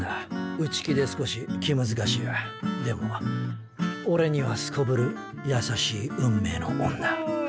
内気で少し気難しいがでもオレにはすこぶる優しい運命の女